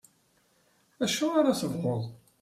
Acu ara tebɣuḍ?